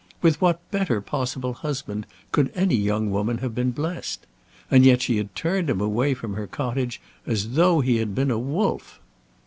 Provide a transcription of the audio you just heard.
With what better possible husband could any young woman have been blessed? And yet she had turned him away from her cottage as though he had been a wolf!